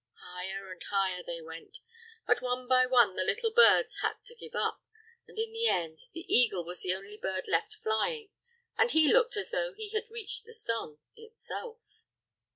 Higher and higher they flew, but one by one the little birds had to give up, and in the end the eagle was the only bird left flying, and he looked as though he had reached the sun itself.